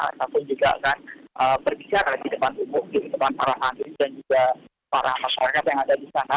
ataupun juga akan berbicara di depan umum di tempat para santri dan juga para masyarakat yang ada di sana